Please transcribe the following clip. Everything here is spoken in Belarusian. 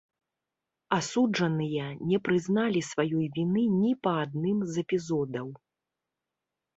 Асуджаныя не прызналі сваёй віны ні па адным з эпізодаў.